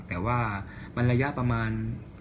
แต่ว่ามันระยะประมาณ